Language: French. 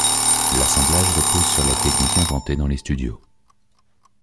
L'assemblage repose sur la technique inventée dans les studios.